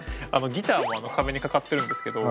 ギターも壁にかかってるんですけど